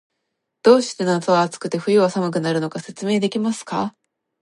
どうして夏は暑くて、冬は寒くなるのか、説明できますか？